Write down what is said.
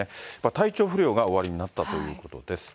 体調不良がおありになったということです。